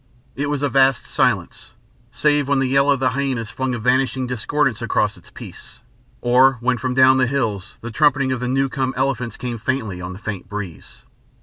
It was a vast silence, save when the yell of the hyænas flung a vanishing discordance across its peace, or when from down the hills the trumpeting of the new come elephants came faintly on the faint breeze.